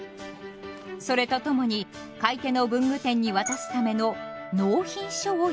それと共に買い手の文具店に渡すための「納品書」を用意します。